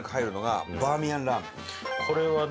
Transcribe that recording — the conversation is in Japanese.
これはね